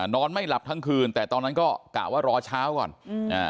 นอนไม่หลับทั้งคืนแต่ตอนนั้นก็กะว่ารอเช้าก่อนอืมอ่า